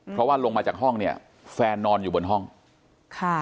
เพราะว่าลงมาจากห้องเนี่ยแฟนนอนอยู่บนห้องค่ะ